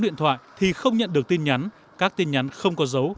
điện thoại thì không nhận được tin nhắn các tin nhắn không có dấu